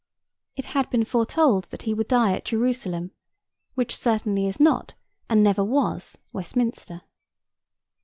It had been foretold that he would die at Jerusalem, which certainly is not, and never was, Westminster.